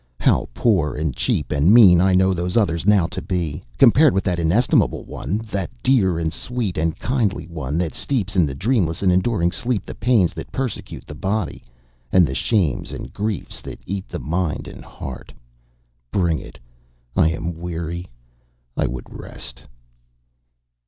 How poor and cheap and mean I know those others now to be, compared with that inestimable one, that dear and sweet and kindly one, that steeps in dreamless and enduring sleep the pains that persecute the body, and the shames and griefs that eat the mind and heart. Bring it! I am weary, I would rest."